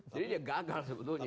jadi dia gagal sebetulnya